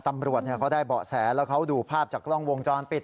ตำรวจเขาได้เบาะแสแล้วเขาดูภาพจากกล้องวงจรปิด